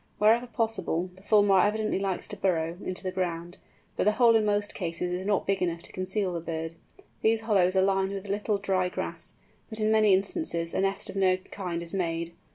Wherever possible, the Fulmar evidently likes to burrow into the ground, but the hole in most cases is not big enough to conceal the bird. These hollows are lined with a little dry grass, but in many instances a nest of no kind is made.